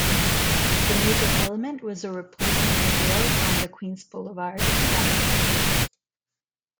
The major element was the replacement of rails on the Queens Boulevard viaduct.